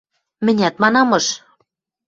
— Мӹнят манамыш...